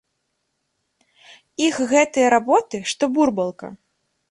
Іх гэтыя работы, што бурбалка.